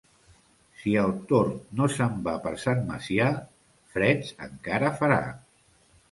Si el tord no se'n va per Sant Macià, freds encara farà.